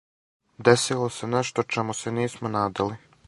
Десило се нешто чему се нисмо надали.